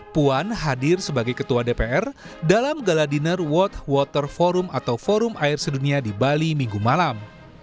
puan hadir sebagai ketua dpr dalam gala dinner world water forum atau forum air sedunia di bali minggu malam